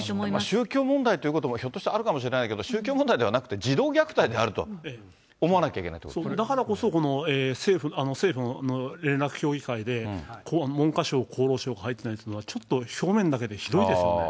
宗教問題ということも、ひょっとしてあるかもしれないけれども、宗教問題じゃなくて、児童虐待であると思わなきゃいけないとだからこそ、政府の連絡協議会で、文科省、厚労省が入ってないというのは、ちょっと表面だけでひどいですよね。